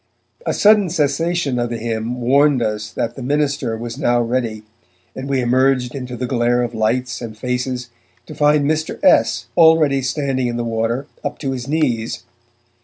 A sudden cessation of the hymn warned us that to Minister was now ready, and we emerged into the glare of lights and faces to find Mr. S. already standing in the water up to his knees.